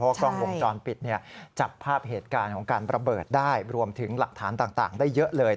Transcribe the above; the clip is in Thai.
กล้องวงจรปิดจับภาพเหตุการณ์ของการระเบิดได้รวมถึงหลักฐานต่างได้เยอะเลย